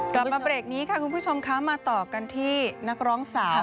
กลับมาเบรกนี้ค่ะคุณผู้ชมคะมาต่อกันที่นักร้องสาว